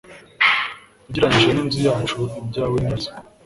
Ugereranije n'inzu yacu, ibyawe ni inzu.